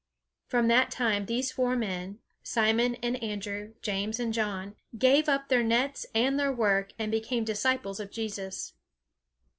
From that time these four men, Simon and Andrew, James and John, gave up their nets and their work, and became disciples of Jesus.